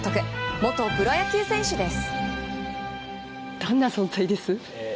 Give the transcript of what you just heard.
元プロ野球選手です。